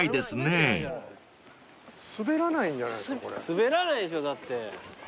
滑らないでしょだって。